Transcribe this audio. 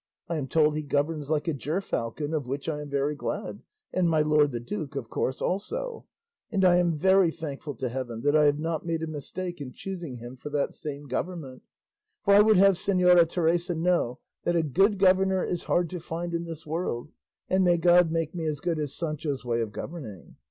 I am told he governs like a gerfalcon, of which I am very glad, and my lord the duke, of course, also; and I am very thankful to heaven that I have not made a mistake in choosing him for that same government; for I would have Señora Teresa know that a good governor is hard to find in this world and may God make me as good as Sancho's way of governing.